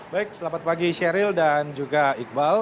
baik selamat pagi sheryl dan juga iqbal